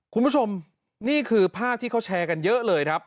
คุณผู้ชมนี่คือภาพที่เขาแชร์กันเยอะเลยครับ